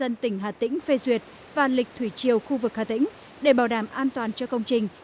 ubnd tỉnh hà tĩnh phê duyệt và lịch thủy triều khu vực hà tĩnh để bảo đảm an toàn cho công trình